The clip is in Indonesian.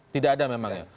tidak ada memang ya